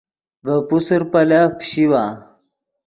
ڤے پوسر پیلف پیشیوا